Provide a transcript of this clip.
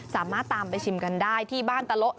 สามารถตามไปชิมกันได้ที่บ้านตะโละ